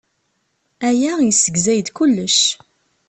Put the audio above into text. Aya yessegzay-d kullec.